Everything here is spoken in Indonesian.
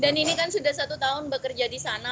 dan ini kan sudah satu tahun bekerja di sana